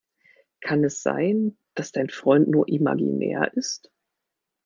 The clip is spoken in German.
Kann es sein, dass dein Freund nur imaginär ist?